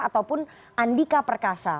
ataupun andika perkasa